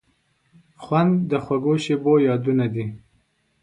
خوند د خوږو شیبو یادونه دي.